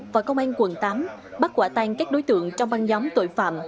và công an quận tám bắt quả tan các đối tượng trong băng nhóm tội phạm